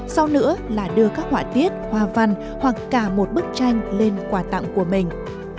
sau nữa là đưa các họa tiết hoa văn hoặc cả một bức tranh lên quà tặng của mình